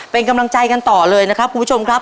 เป็นกำลังใจกันต่อเลยนะครับคุณผู้ชมครับ